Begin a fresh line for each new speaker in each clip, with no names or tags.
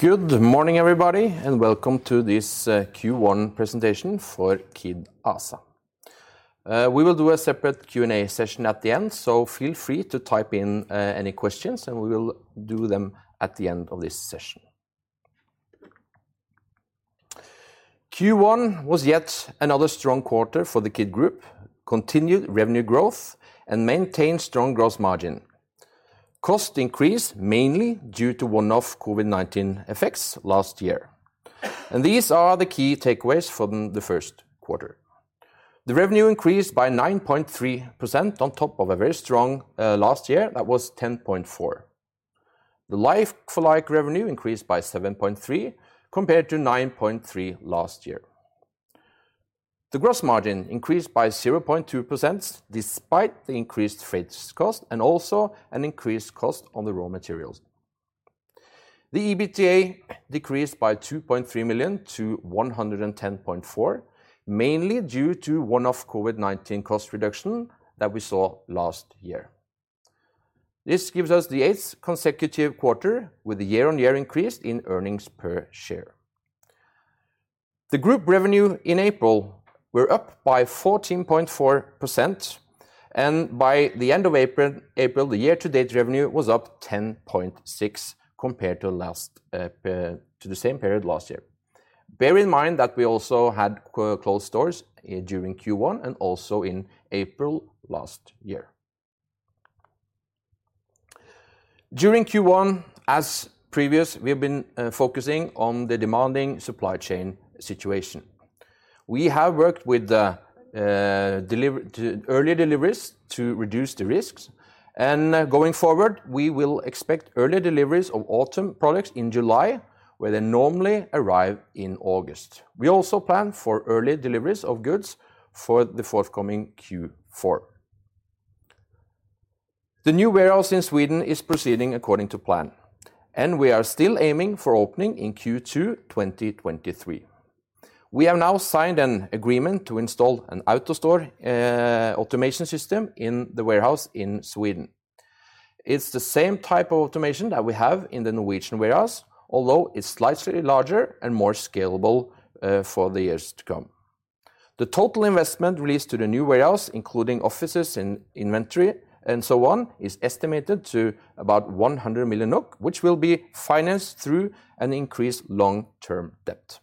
Good morning everybody, and welcome to this Q1 presentation for Kid ASA. We will do a separate Q&A session at the end, so feel free to type in any questions, and we will do them at the end of this session. Q1 was yet another strong quarter for the Kid group, continued revenue growth and maintained strong gross margin. Cost increased mainly due to one-off COVID-19 effects last year. These are the key takeaways from the first quarter. The revenue increased by 9.3% on top of a very strong last year that was 10.4%. The like-for-like revenue increased by 7.3% compared to 9.3% last year. The gross margin increased by 0.2% despite the increased freight cost and also an increased cost on the raw materials. The EBITDA decreased by 2.3 million to 110.4 million, mainly due to one-off COVID-19 cost reduction that we saw last year. This gives us the eighth consecutive quarter with a year-on-year increase in earnings per share. The group revenue in April were up by 14.4%, and by the end of April, the year-to-date revenue was up 10.6% compared to the same period last year. Bear in mind that we also had closed stores during Q1 and also in April last year. During Q1, as previous, we've been focusing on the demanding supply chain situation. We have worked with the early deliveries to reduce the risks, and going forward, we will expect early deliveries of autumn products in July, where they normally arrive in August. We also plan for early deliveries of goods for the forthcoming Q4. The new warehouse in Sweden is proceeding according to plan, and we are still aiming for opening in Q2 2023. We have now signed an agreement to install an AutoStore automation system in the warehouse in Sweden. It's the same type of automation that we have in the Norwegian warehouse, although it's slightly larger and more scalable for the years to come. The total investment related to the new warehouse, including offices and inventory and so on, is estimated to about 100 million NOK, which will be financed through an increased long-term debt.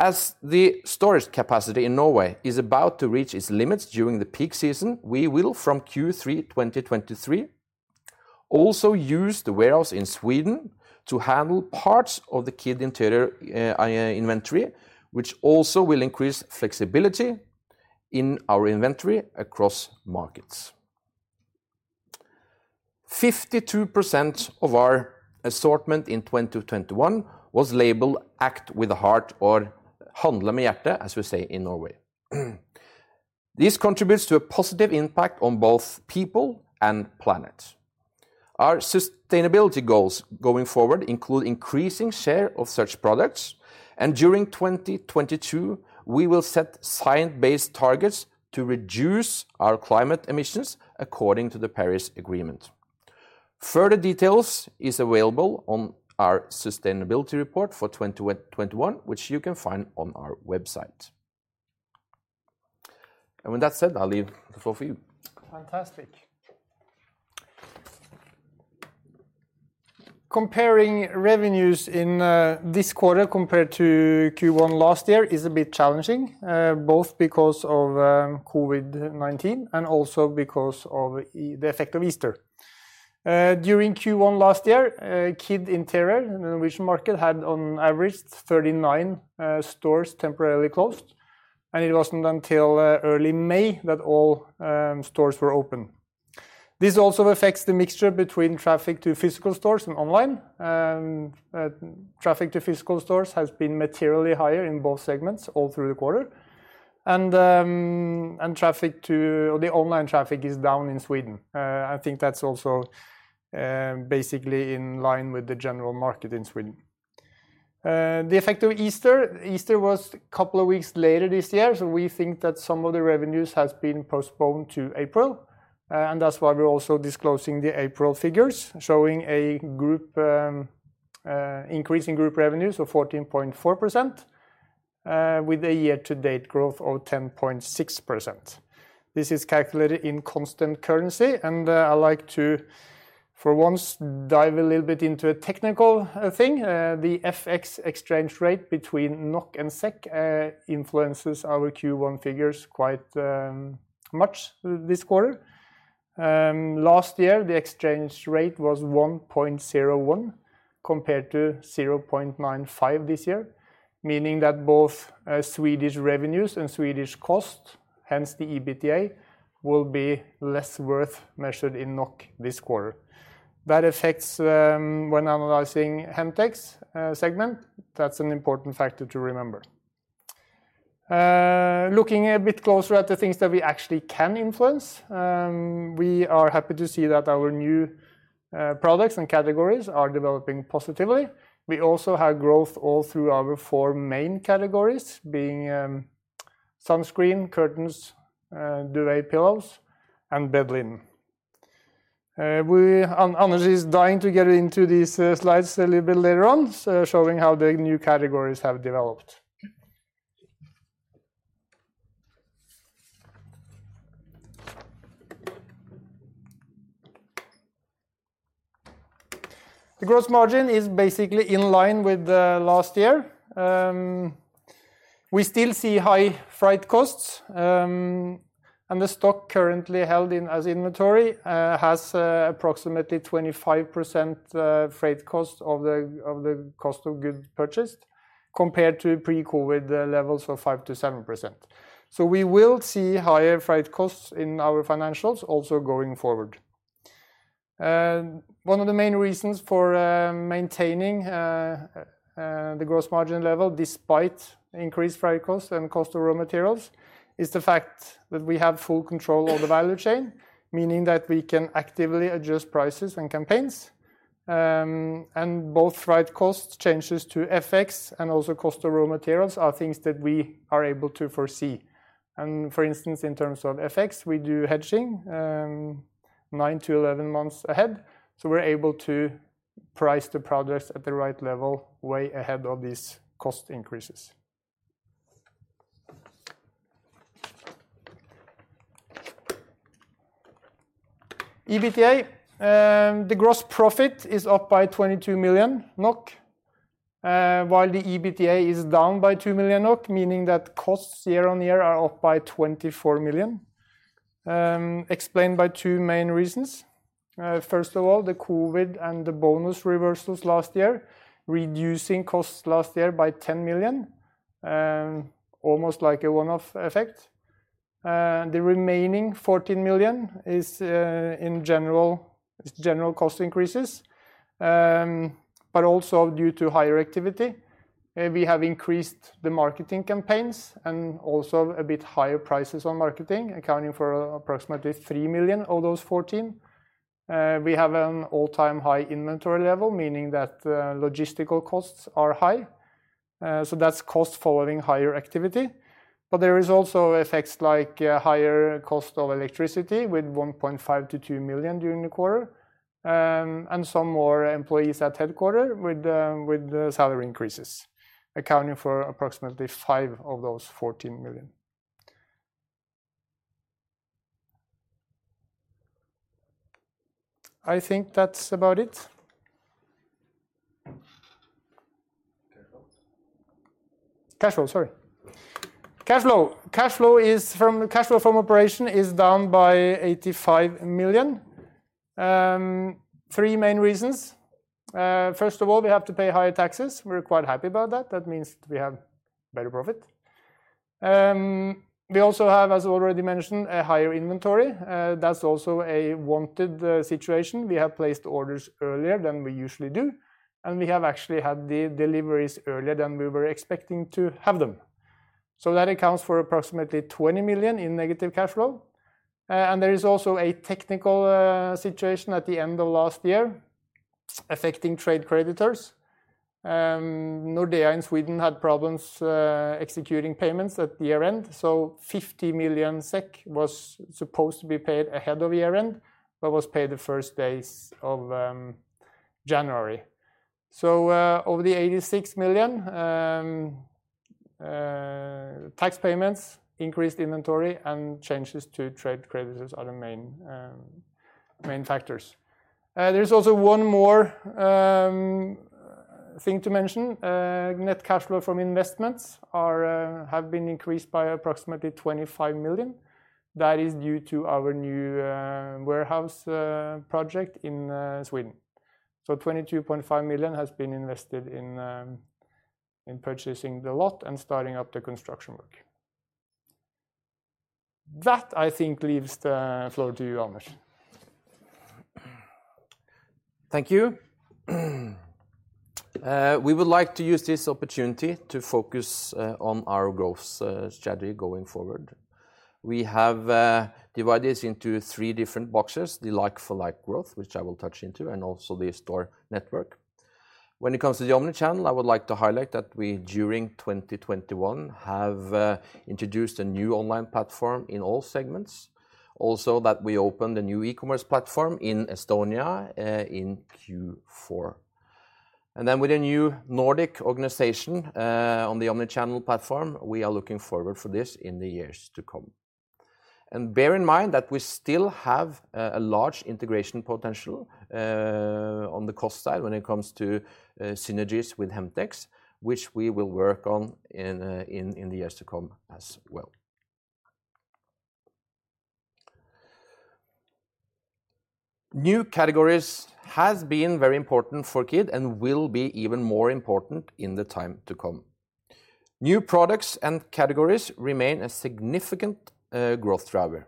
As the storage capacity in Norway is about to reach its limits during the peak season, we will from Q3 2023 also use the warehouse in Sweden to handle parts of the Kid Interior inventory, which also will increase flexibility in our inventory across markets. 52% of our assortment in 2021 was labeled Act with the Heart or Handle med Hjertet, as we say in Norway. This contributes to a positive impact on both people and planet. Our sustainability goals going forward include increasing share of such products, and during 2022, we will set science-based targets to reduce our climate emissions according to the Paris Agreement. Further details is available on our sustainability report for 2021, which you can find on our website. With that said, I'll leave the floor for you.
Fantastic. Comparing revenues in this quarter compared to Q1 last year is a bit challenging, both because of COVID-19 and also because of the effect of Easter. During Q1 last year, Kid Interior Norwegian market had on average 39 stores temporarily closed, and it wasn't until early May that all stores were open. This also affects the mixture between traffic to physical stores and online. Traffic to physical stores has been materially higher in both segments all through the quarter, and the online traffic is down in Sweden. I think that's also basically in line with the general market in Sweden. The effect of Easter was a couple of weeks later this year, so we think that some of the revenues has been postponed to April, and that's why we're also disclosing the April figures, showing a group increase in group revenues of 14.4%, with a year-to-date growth of 10.6%. This is calculated in constant currency, and I like to, for once, dive a little bit into a technical thing. The FX exchange rate between NOK and SEK influences our Q1 figures quite much this quarter. Last year, the exchange rate was 1.01 compared to 0.95 this year, meaning that both Swedish revenues and Swedish costs, hence the EBITDA, will be less worth measured in NOK this quarter. That affects when analyzing Hemtex segment. That's an important factor to remember. Looking a bit closer at the things that we actually can influence, we are happy to see that our new products and categories are developing positively. We also have growth all through our four main categories, being seasonal, curtains, duvet, pillows, and bed linen. Anders is dying to get into these slides a little bit later on, so showing how the new categories have developed. The gross margin is basically in line with last year. We still see high freight costs, and the stock currently held in as inventory has approximately 25% freight cost of the cost of goods purchased, compared to pre-COVID levels of 5%-7%. We will see higher freight costs in our financials also going forward. One of the main reasons for maintaining the gross margin level despite increased freight costs and cost of raw materials is the fact that we have full control of the value chain, meaning that we can actively adjust prices and campaigns. Both freight costs, changes to FX, and also cost of raw materials are things that we are able to foresee. For instance, in terms of FX, we do hedging nine to 11 months ahead, so we're able to price the products at the right level way ahead of these cost increases. EBITDA, the gross profit is up by 22 million NOK, while the EBITDA is down by 2 million NOK, meaning that costs year-on-year are up by 24 million, explained by two main reasons. First of all, the COVID and the bonus reversals last year, reducing costs last year by 10 million, almost like a one-off effect. The remaining 14 million is, in general, it's general cost increases, but also due to higher activity. We have increased the marketing campaigns and also a bit higher prices on marketing, accounting for approximately 3 million of those 14 million. We have an all-time high inventory level, meaning that, logistical costs are high, so that's costs following higher activity. There is also effects like, higher costs of electricity with 1.5 million-2 million during the quarter, and some more employees at headquarters with salary increases, accounting for approximately five of those 14 million. I think that's about it.
Cash flow.
Cash flow from operations is down by 85 million, three main reasons. First of all, we have to pay higher taxes. We're quite happy about that. That means we have better profit. We also have, as already mentioned, a higher inventory. That's also a wanted situation. We have placed orders earlier than we usually do, and we have actually had the deliveries earlier than we were expecting to have them. So that accounts for approximately 20 million in negative cash flow. There is also a technical situation at the end of last year affecting trade creditors. Nordea in Sweden had problems executing payments at year-end, so 50 million SEK was supposed to be paid ahead of year-end, but was paid the first days of January. Over the 86 million, tax payments, increased inventory, and changes to trade creditors are the main factors. There is also one more thing to mention. Net cash flow from investments have been increased by approximately 25 million. That is due to our new warehouse project in Sweden. 22.5 million has been invested in purchasing the lot and starting up the construction work. That, I think, leaves the floor to you, Anders.
Thank you. We would like to use this opportunity to focus on our growth strategy going forward. We have divided this into three different boxes, the like-for-like growth, which I will touch on, and also the store network. When it comes to the omnichannel, I would like to highlight that we, during 2021, have introduced a new online platform in all segments. Also, that we opened a new e-commerce platform in Estonia in Q4. With a new Nordic organization on the omnichannel platform, we are looking forward for this in the years to come. Bear in mind that we still have a large integration potential on the cost side when it comes to synergies with Hemtex, which we will work on in the years to come as well. New categories has been very important for Kid and will be even more important in the time to come. New products and categories remain a significant growth driver.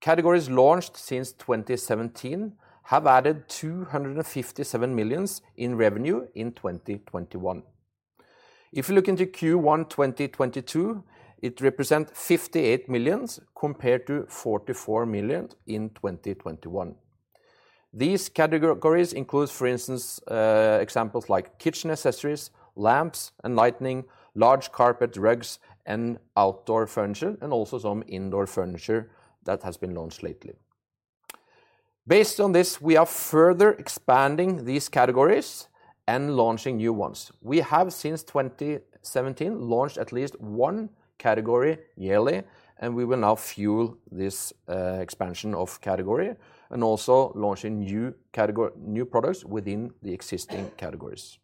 Categories launched since 2017 have added 257 million in revenue in 2021. If you look into Q1 2022, it represent 58 million compared to 44 million in 2021. These categories includes, for instance, examples like kitchen accessories, lamps and lighting, large carpet rugs and outdoor furniture, and also some indoor furniture that has been launched lately. Based on this, we are further expanding these categories and launching new ones. We have, since 2017, launched at least one category yearly, and we will now fuel this expansion of category and also launching new category new products within the existing categories.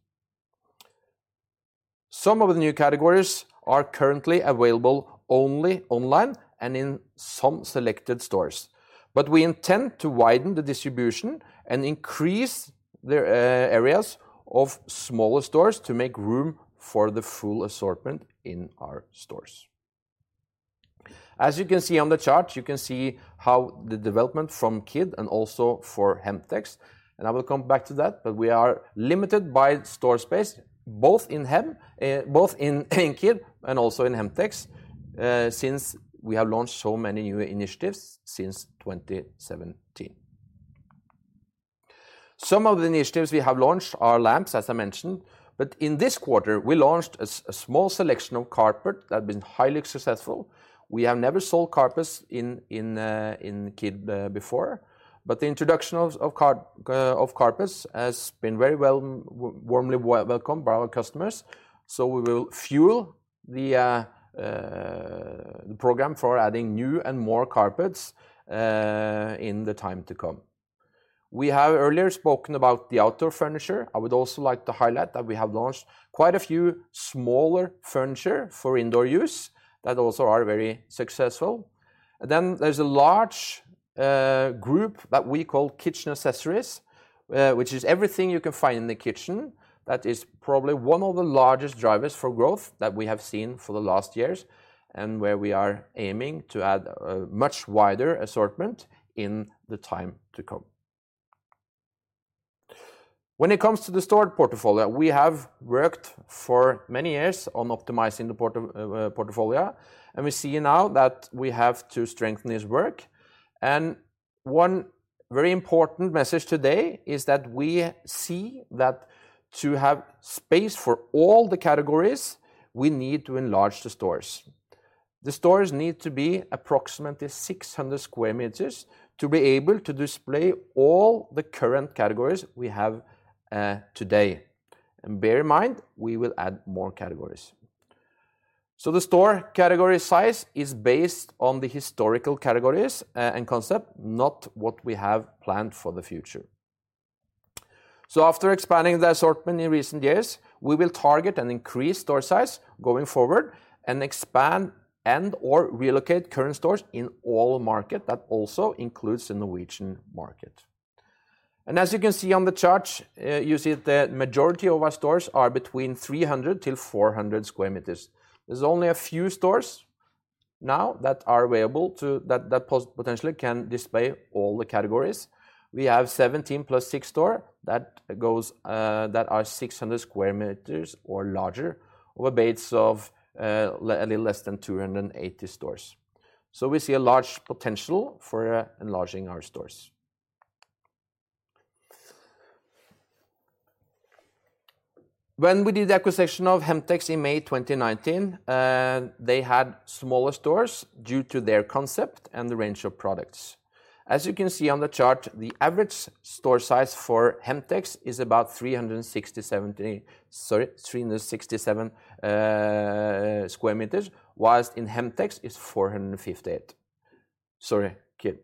Some of the new categories are currently available only online and in some selected stores. We intend to widen the distribution and increase the areas of smaller stores to make room for the full assortment in our stores. As you can see on the chart, you can see how the development from Kid and also for Hemtex, and I will come back to that, but we are limited by store space, both in Kid and also in Hemtex, since we have launched so many new initiatives since 2017. Some of the initiatives we have launched are lamps, as I mentioned, but in this quarter, we launched a small selection of carpet that have been highly successful. We have never sold carpets in Kid before, but the introduction of carpets has been very warmly welcomed by our customers, so we will fuel the program for adding new and more carpets in the time to come. We have earlier spoken about the outdoor furniture. I would also like to highlight that we have launched quite a few smaller furniture for indoor use that also are very successful. There's a large group that we call kitchen accessories, which is everything you can find in the kitchen. That is probably one of the largest drivers for growth that we have seen for the last years and where we are aiming to add a much wider assortment in the time to come. When it comes to the store portfolio, we have worked for many years on optimizing the portfolio, and we see now that we have to strengthen this work. One very important message today is that we see that to have space for all the categories, we need to enlarge the stores. The stores need to be approximately 600 square meters to be able to display all the current categories we have, today. Bear in mind, we will add more categories. The store category size is based on the historical categories, and concept, not what we have planned for the future. After expanding the assortment in recent years, we will target an increased store size going forward and expand and/or relocate current stores in all markets. That also includes the Norwegian market. As you can see on the chart, you see the majority of our stores are between 300-400 square meters. There's only a few stores now that potentially can display all the categories. We have 17 + 6 stores that are 600 square meters or larger, or a base of a little less than 280 stores. We see a large potential for enlarging our stores. When we did the acquisition of Hemtex in May 2019, they had smaller stores due to their concept and the range of products. As you can see on the chart, the average store size for Hemtex is about 367 square meters, while in Kid is 458 square meters. Sorry, Kid.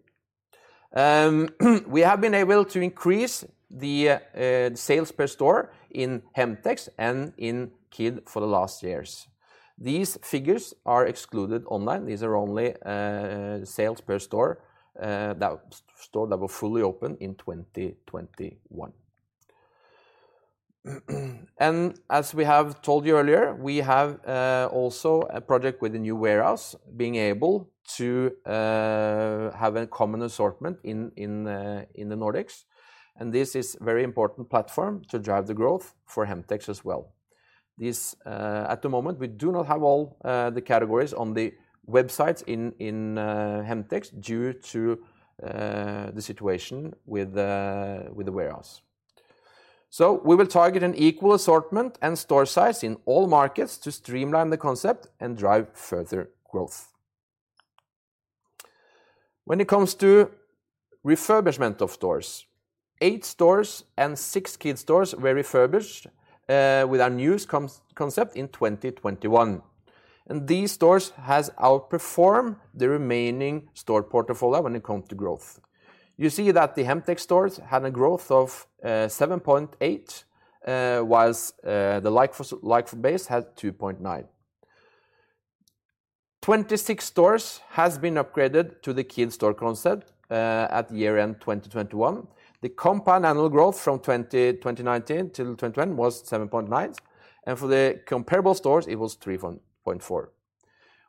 We have been able to increase the sales per store in Hemtex and in Kid for the last years. These figures exclude online. These are only sales per store that were fully open in 2021. As we have told you earlier, we have also a project with a new warehouse being able to have a common assortment in the Nordics, and this is very important platform to drive the growth for Hemtex as well. At the moment, we do not have all the categories on the websites in Hemtex due to the situation with the warehouse. We will target an equal assortment and store size in all markets to streamline the concept and drive further growth. When it comes to refurbishment of stores, eight stores and six Kid stores were refurbished with our new concept in 2021, and these stores has outperformed the remaining store portfolio when it comes to growth. You see that the Hemtex stores had a growth of 7.8%, while the like-for-like base had 2.9%. 26 stores has been upgraded to the Kid store concept at the year-end 2021. The compound annual growth from 2019 till 2021 was 7.9%, and for the comparable stores it was 3.4%.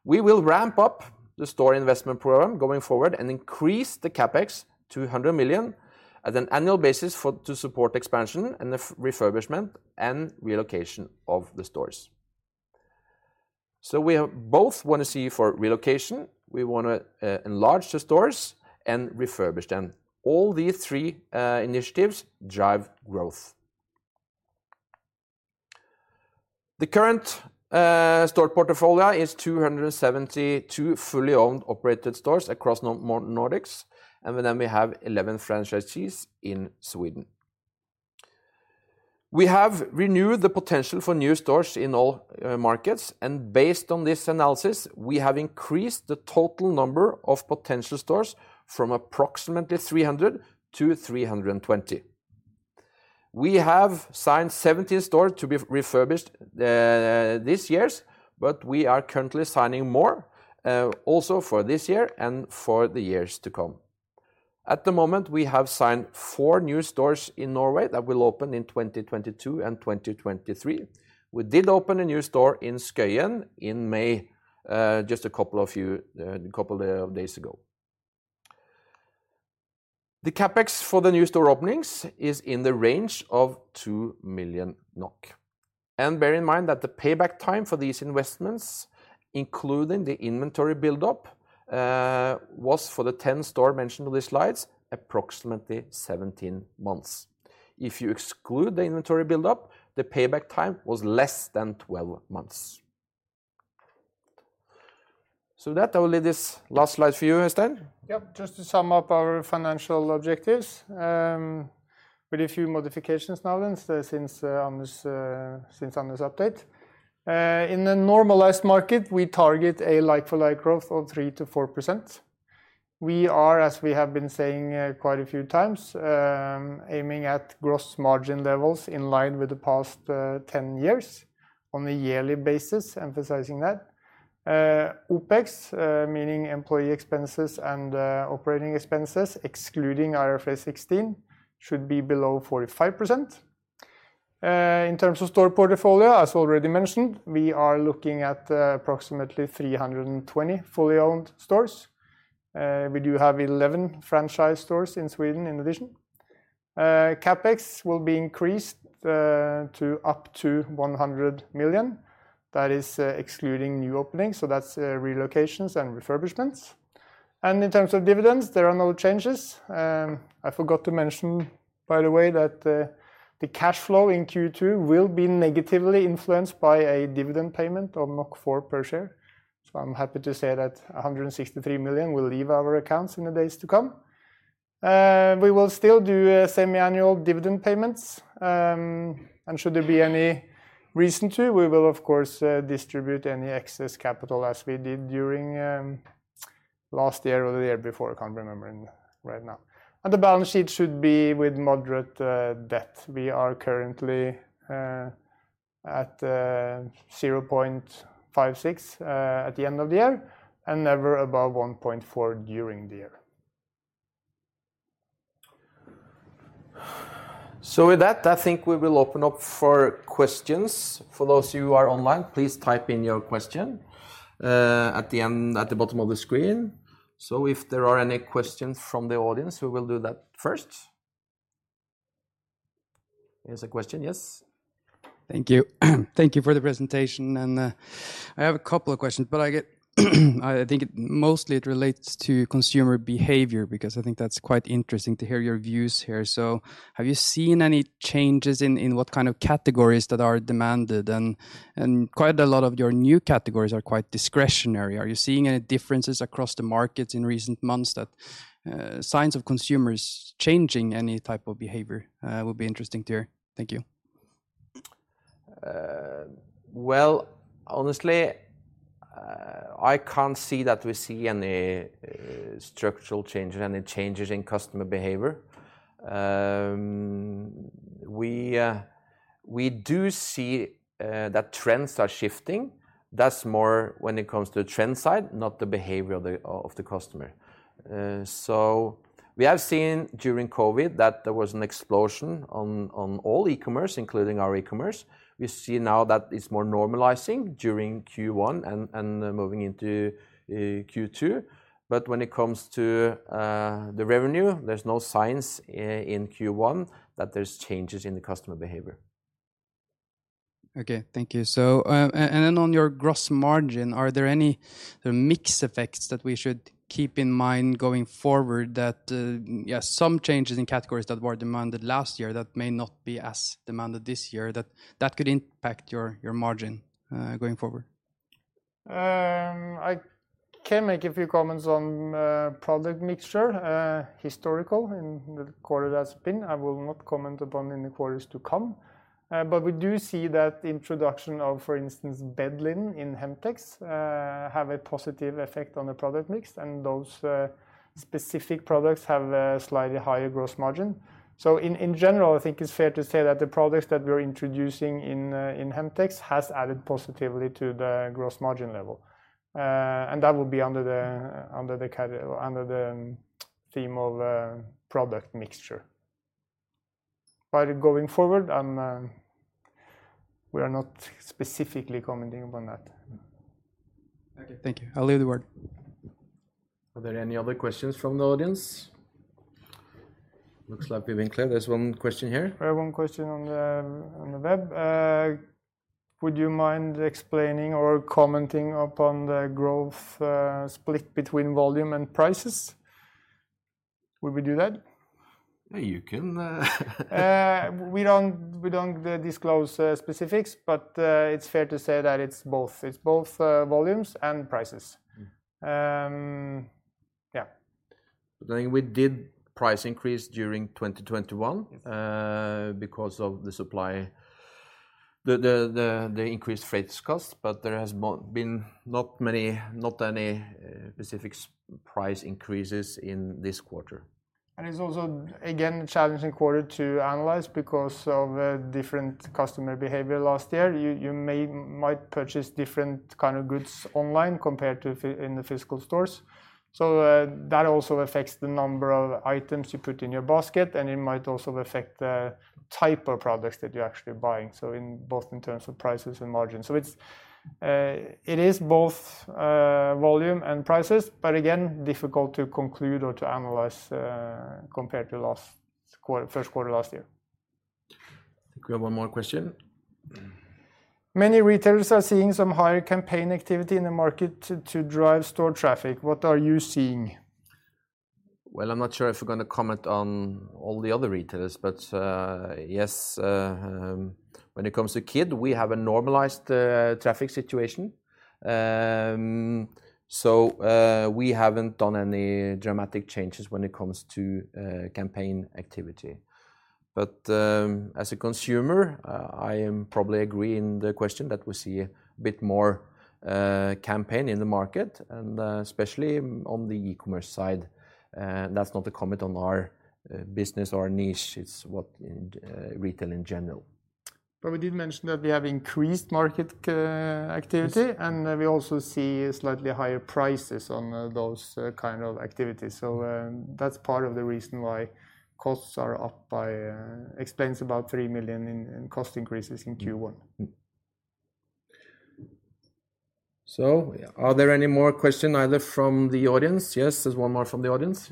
We will ramp up the store investment program going forward and increase the CapEx to 100 million on an annual basis to support expansion and the refurbishment and relocation of the stores. We want to relocate, enlarge the stores and refurbish them. All these three initiatives drive growth. The current store portfolio is 272 fully owned and operated stores across Nordics, and then we have 11 franchisees in Sweden. We have reviewed the potential for new stores in all markets, and based on this analysis, we have increased the total number of potential stores from approximately 300 to 320. We have signed 70 stores to be refurbished this year, but we are currently signing more also for this year and for the years to come. At the moment, we have signed four new stores in Norway that will open in 2022 and 2023. We did open a new store in Skøyen in May, just a couple of days ago. The CapEx for the new store openings is in the range of 2 million NOK. Bear in mind that the payback time for these investments, including the inventory buildup, was for the 10 stores mentioned on these slides, approximately 17 months. If you exclude the inventory buildup, the payback time was less than 12 months. With that, I will leave this last slide for you, Eystein.
Yep. Just to sum up our financial objectives, with a few modifications now since Anders' update. In a normalized market, we target a like-for-like growth of 3%-4%. We are, as we have been saying, quite a few times, aiming at gross margin levels in line with the past 10 years on a yearly basis, emphasizing that. OpEx, meaning employee expenses and operating expenses, excluding IFRS 16, should be below 45%. In terms of store portfolio, as already mentioned, we are looking at approximately 320 fully owned stores. We do have 11 franchise stores in Sweden in addition. CapEx will be increased to up to 100 million. That is excluding new openings, so that's relocations and refurbishments. In terms of dividends, there are no changes. I forgot to mention, by the way, that the cash flow in Q2 will be negatively influenced by a dividend payment of 4 per share. I'm happy to say that 163 million will leave our accounts in the days to come. We will still do semi-annual dividend payments. Should there be any reason to, we will of course distribute any excess capital as we did during last year or the year before. I can't remember right now. The balance sheet should be with moderate debt. We are currently at 0.56x at the end of the year and never above 1.4x during the year.
With that, I think we will open up for questions. For those of you who are online, please type in your question at the end, at the bottom of the screen. If there are any questions from the audience, we will do that first. There's a question. Yes.
Thank you. Thank you for the presentation. I have a couple of questions, but I think it mostly relates to consumer behavior because I think that's quite interesting to hear your views here. Have you seen any changes in what kind of categories that are demanded? And quite a lot of your new categories are quite discretionary. Are you seeing any differences across the markets in recent months that signs of consumers changing any type of behavior will be interesting to hear. Thank you.
Well, honestly, I can't see that we see any structural changes, any changes in customer behavior. We do see that trends are shifting. That's more when it comes to trend side, not the behavior of the customer. We have seen during COVID that there was an explosion on all e-commerce, including our e-commerce. We see now that it's more normalizing during Q1 and moving into Q2. When it comes to the revenue, there's no signs in Q1 that there's changes in the customer behavior.
Okay. Thank you. On your gross margin, are there any mix effects that we should keep in mind going forward that, yeah, some changes in categories that were demanded last year that may not be as demanded this year, that could impact your margin, going forward?
I can make a few comments on product mix, historically in the quarter that's been. I will not comment upon any quarters to come. We do see that the introduction of, for instance, bed linen in Hemtex has a positive effect on the product mix, and those specific products have a slightly higher gross margin. In general, I think it's fair to say that the products that we're introducing in Hemtex have added positively to the gross margin level. That will be under the theme of product mix. Going forward, we are not specifically commenting upon that.
Okay. Thank you. I'll leave the word.
Are there any other questions from the audience? Looks like we've been clear. There's one question here.
I have one question on the web. Would you mind explaining or commenting upon the growth split between volume and prices? Would we do that?
Yeah, you can.
We don't disclose specifics, but it's fair to say that it's both volumes and prices.
Mm.
Yeah.
We did price increase during 2021.
Yes
Because of the supply, the increased freight costs, but there has been not many, not any specific price increases in this quarter.
It's also, again, challenging quarter to analyze because of different customer behavior last year. You may, might purchase different kind of goods online compared to in the physical stores. That also affects the number of items you put in your basket, and it might also affect the type of products that you're actually buying, so in both in terms of prices and margins. It is both volume and prices, but again, difficult to conclude or to analyze compared to last quarter, first quarter last year.
I think we have one more question.
Many retailers are seeing some higher campaign activity in the market to drive store traffic. What are you seeing?
Well, I'm not sure if we're gonna comment on all the other retailers, but yes, when it comes to Kid, we have a normalized traffic situation. We haven't done any dramatic changes when it comes to campaign activity. As a consumer, I am probably agreeing with the question that we see a bit more campaign in the market, and especially on the e-commerce side. That's not a comment on our business or our niche. It's what is in retail in general.
We did mention that we have increased market activity.
Yes
We also see slightly higher prices on those kind of activities. That's part of the reason why costs are up by about 3 million in cost increases in Q1.
Are there any more question either from the audience? Yes, there's one more from the audience.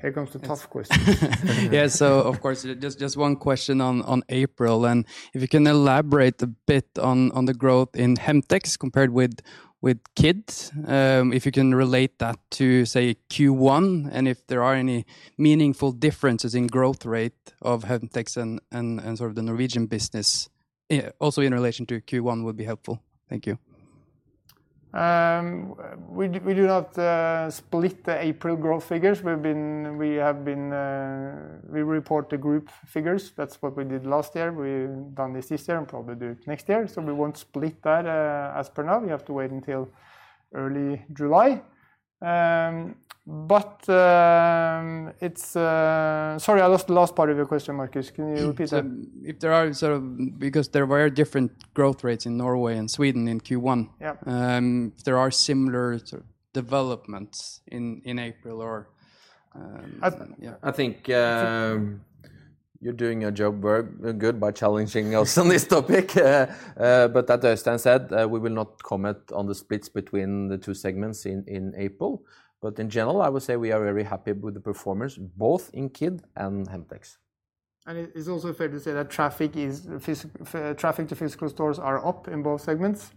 Here comes the tough questions.
Yeah, of course, just one question on April, and if you can elaborate a bit on the growth in Hemtex compared with Kid, if you can relate that to, say, Q1, and if there are any meaningful differences in growth rate of Hemtex and sort of the Norwegian business. Yeah, also in relation to Q1 would be helpful. Thank you.
We do not split the April growth figures. We report the group figures. That's what we did last year. We've done this year and probably do it next year, so we won't split that as per now. You have to wait until early July. Sorry, I lost the last part of your question, Markus. Can you repeat that?
Because there were different growth rates in Norway and Sweden in Q1.
Yeah.
If there are similar sort of developments in April or, yeah.
I think you're doing your job very good by challenging us on this topic. As Eystein said, we will not comment on the splits between the two segments in April. In general, I would say we are very happy with the performance both in Kid and Hemtex.
It's also fair to say that traffic to physical stores are up in both segments.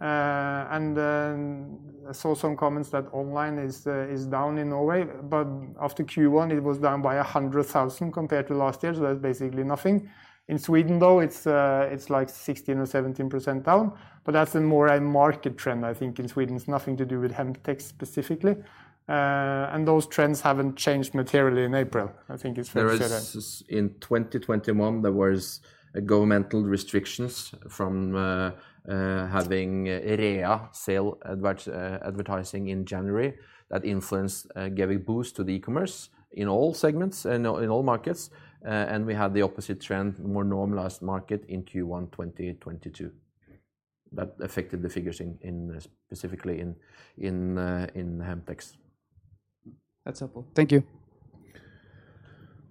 Then I saw some comments that online is down in Norway. After Q1, it was down by 100,000 compared to last year, so that's basically nothing. In Sweden, though, it's like 16% or 17% down, but that's more a market trend, I think, in Sweden. It's nothing to do with Hemtex specifically. Those trends haven't changed materially in April, I think it's fair to say that.
In 2021, there was governmental restrictions from having real sale advertising in January that influenced, gave a boost to the e-commerce in all segments, in all markets. We had the opposite trend, more normalized market in Q1 2022. That affected the figures in, specifically in, Hemtex.
That's helpful. Thank you.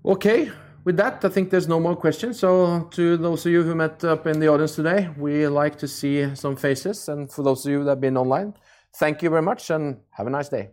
Okay. With that, I think there's no more questions. To those of you who met up in the audience today, we like to see some faces. For those of you that have been online, thank you very much, and have a nice day.